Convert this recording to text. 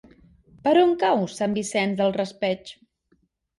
Per on cau Sant Vicent del Raspeig?